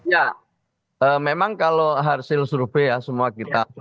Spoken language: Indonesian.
ya memang kalau harus ilus rufe ya semua kita